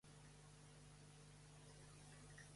El relat està tret del que fa Isidor de Beja.